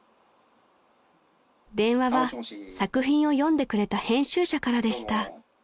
［電話は作品を読んでくれた編集者からでした］